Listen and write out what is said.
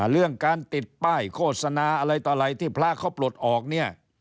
เรื่องการติดป้ายโฆษณาอะไรต่ออะไรที่พระเขาปลดออกเนี่ย